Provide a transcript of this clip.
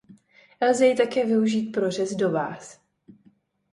Lze jej také využít pro řez do váz.